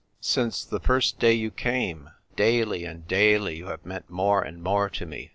Since the first day you came, daily and daily you have meant more and more to me.